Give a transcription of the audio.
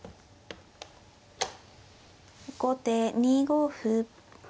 後手２五歩。